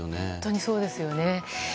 本当にそうですよね。